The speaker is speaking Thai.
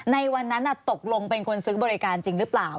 ในวันนั้นตกลงเป็นคนซื้อบริการจริงหรือเปล่า